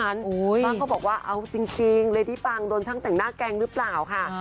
บ้างเขาบอกว่าเอาจริงเรดี้ปังโดนช่างแต่งหน้าแกล้งหรือเปล่าค่ะ